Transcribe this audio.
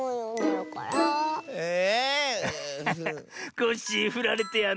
コッシーふられてやんの。